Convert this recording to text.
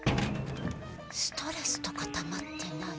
ストレスとかたまってない？